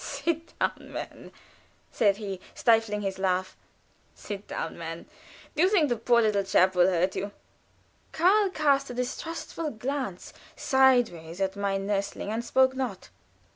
"Sit down, man," said he, stifling his laughter. "Sit down, man; do you think the poor little chap will hurt you?" Karl cast a distrustful glance sideways at my nursling and spoke not.